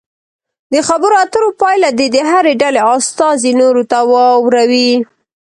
د خبرو اترو پایله دې د هرې ډلې استازي نورو ته واوروي.